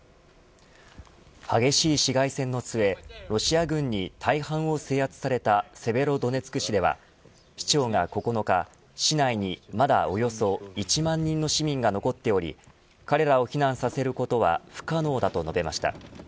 激しい市街戦の末ロシア軍に大半を制圧されたセベロドネツク市では市長が９日、市内にまだおよそ１万人の市民が残っており彼らを避難させることは不可能だと述べました。